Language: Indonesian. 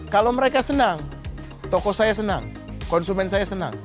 kalau mereka senang toko saya senang konsumen saya senang